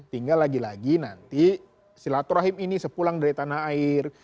tinggal lagi lagi nanti silaturahim ini sepulang dari tanah air